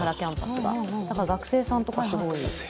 だから学生さんとかすごい。